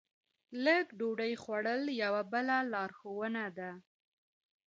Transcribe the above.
لږه ډوډۍ خوړل یوه بله لارښوونه ده.